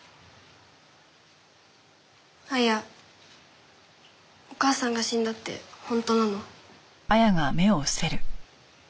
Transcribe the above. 亜矢お母さんが死んだって本当なの？